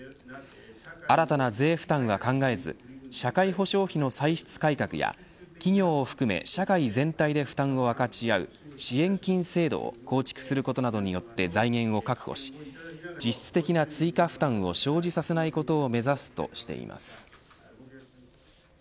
新たな税負担は考えず社会保障費の歳出改革や企業を含め社会全体で負担を分かち合う支援金制度を構築することなどによって財源を確保し実質的な追加負担を生じさせないことを目指すとしています。